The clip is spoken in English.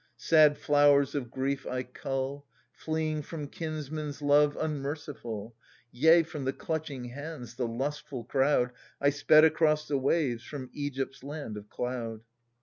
Sad flowers of grief I cull. Fleeing from kinsmen's love unmerciful — Yea, from the clutching hands, the lustful crowd, I sped across the wave^ from Egypt's land of cloud.